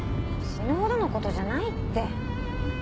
死ぬほどのことじゃないって。